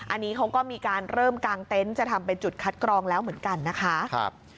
อันนี้เขาก็มีการเริ่มกางเต็นต์จะทำเป็นจุดคัดกรองแล้วเหมือนกันนะคะ